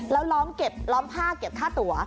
แล้วล้อมผ้าเก็บค่าตั๋ว